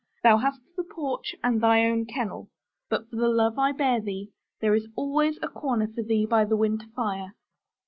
Thou hast the porch and thy own kennel. But for the love I bear thee, there is always a corner for thee by the winter fire.